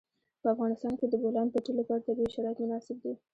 په افغانستان کې د د بولان پټي لپاره طبیعي شرایط مناسب دي.